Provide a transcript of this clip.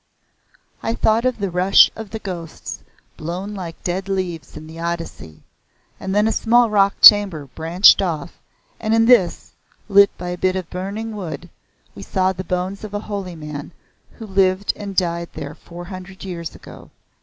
I thought of the rush of the ghosts, blown like dead leaves in the Odyssey. And then a small rock chamber branched off, and in this, lit by a bit of burning wood, we saw the bones of a holy man who lived and died there four hundred years ago.